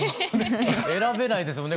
選べないですもんね